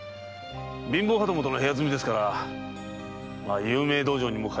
貧乏旗本の部屋住みですから有名道場にも通えず。